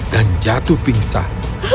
dan jatuh pingsan